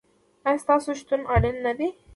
ایا ستاسو شتون اړین نه دی؟